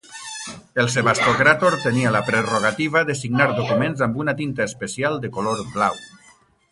El sebastocràtor tenia la prerrogativa de signar documents amb una tinta especial de color blau.